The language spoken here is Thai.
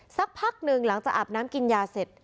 สักพักหนึ่งหลังจากอาบน้ำกินยาเสร็จ